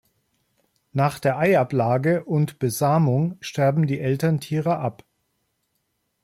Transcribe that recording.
Nach der Eiablage und Besamung sterben die Elterntiere ab.